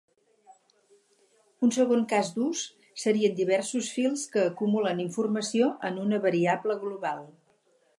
Un segon cas d'ús serien diversos fils que acumulen informació en una variable global.